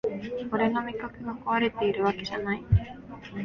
俺の味覚がこわれてるわけじゃない